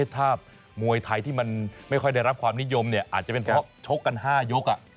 ถ้ามวยไทยที่มันไม่ค่อยได้รับความนิยมอาจจะเป็นเพราะชกกัน๕ยก